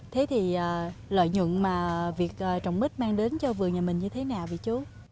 thế thì lợi nhuận mà việc trồng mít mang đến cho vườn nhà mình như thế nào vậy chú